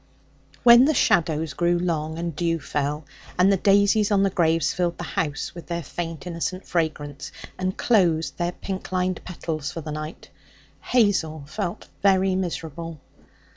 When the shadows grew long and dew fell, and the daisies on the graves filled the house with their faint, innocent fragrance, and closed their pink lined petals for the night, Hazel felt very miserable.